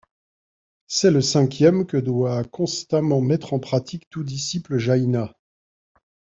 C'est le cinquième, que doit constamment mettre en pratique tout disciple jaïna.